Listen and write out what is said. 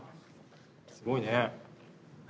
すごいね。